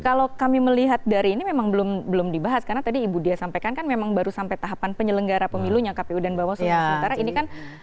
kalau kami melihat dari ini memang belum dibahas karena tadi ibu dia sampaikan kan memang baru sampai tahapan penyelenggara pemilunya kpu dan bawaslu